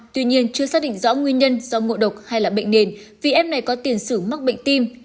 tuy nhiên chưa xác định rõ nguyên nhân do ngộ độc hay là bệnh nền vì em này có tiền sử mắc bệnh tim